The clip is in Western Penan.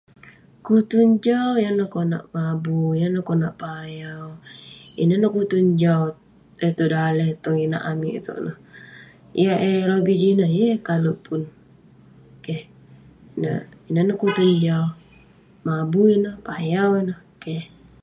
Kutun jau yan neh konak mabui yah neh konak payau ineh ne kutun jau eh tong daleh eh tong inak amik ituek neh yah eh lobih jineh yeng eh kalek pun keh ineh neh kutun jau mabui ineh payau ineh keh